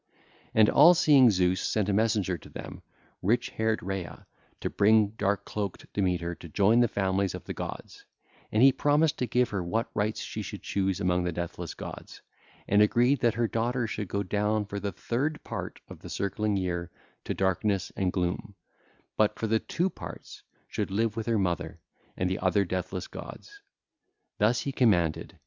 (ll. 441 459) And all seeing Zeus sent a messenger to them, rich haired Rhea, to bring dark cloaked Demeter to join the families of the gods: and he promised to give her what right she should choose among the deathless gods and agreed that her daughter should go down for the third part of the circling year to darkness and gloom, but for the two parts should live with her mother and the other deathless gods. Thus he commanded.